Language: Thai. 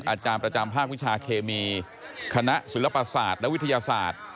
อาจารย์ประจำภาควิชาเคมีคณะศิลปศาสตร์และวิทยาศาสตร์